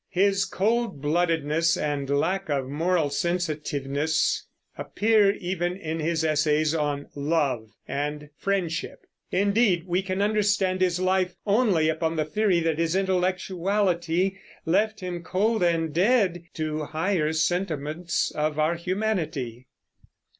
His coldbloodedness and lack of moral sensitiveness appear even in his essays on "Love" and "Friendship." Indeed, we can understand his life only upon the theory that his intellectuality left him cold and dead to the higher sentiments of our humanity.